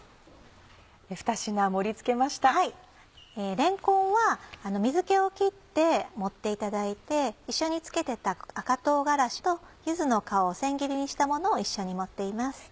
れんこんは水気を切って盛っていただいて一緒に漬けてた赤唐辛子と柚子の皮を千切りにしたものを一緒に盛っています。